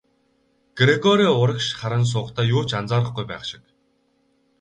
Грегори урагш харан суухдаа юу ч анзаарахгүй байх шиг.